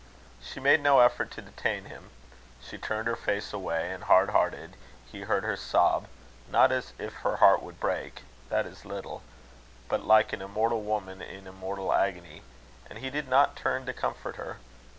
She made no effort to detain him. She turned her face away, and, hard hearted, he heard her sob, not as if her heart would break that is little but like an immortal woman in immortal agony, and he did not turn to comfort her.